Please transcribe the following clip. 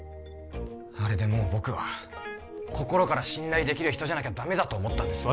あれでもう僕は心から信頼できる人じゃなきゃダメだと思ったんです